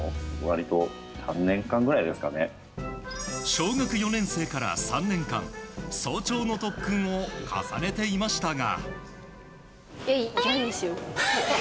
小学４年生から３年間早朝の特訓を重ねていましたが。